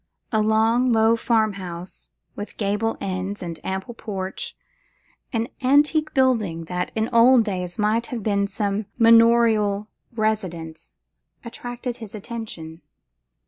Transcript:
A long, low farmhouse, with gable ends and ample porch, an antique building that in old days might have been some manorial residence, attracted his attention.